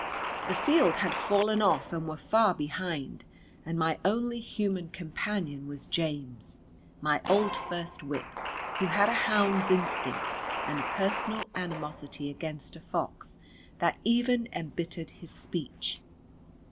The "field" had fallen of and were far behind and my only human companion was James, my old first whip, who had a hound's instinct, and a personal animosity against a fox that even embittered his speech.